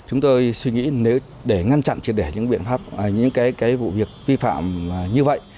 chúng tôi suy nghĩ để ngăn chặn những việc vi phạm như vậy